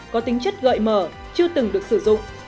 có tính chất gợi mở chưa từng được sử dụng